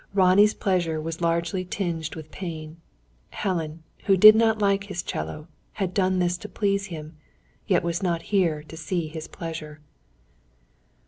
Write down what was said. Ronnie's pleasure was largely tinged with pain. Helen, who did not like his 'cello, had done this to please him, yet was not here to see his pleasure.